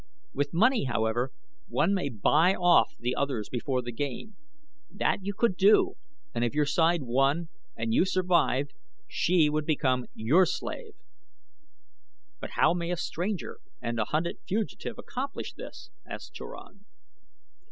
With money, however, one may buy off the others before the game. That you could do, and if your side won and you survived she would become your slave." "But how may a stranger and a hunted fugitive accomplish this?" asked Turan.